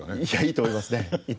いいと思います。